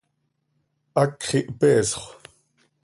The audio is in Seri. ¡Hacx ihpeesxö!